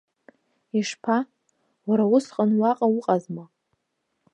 Ишԥа, уара усҟан уаҟа уҟазма?!